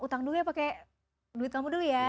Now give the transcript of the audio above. utang dulu ya pakai duit kamu dulu ya